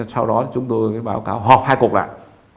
sau đó chúng tôi báo cáo họp hai cục lại